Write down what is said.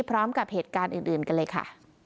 พร้อมกับเหตุการณ์อื่นกันเลยค่ะ